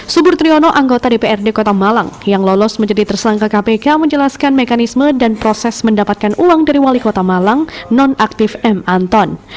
subur triyono anggota dprd kota malang yang lolos menjadi tersangka kpk menjelaskan mekanisme dan proses mendapatkan uang dari wali kota malang nonaktif m anton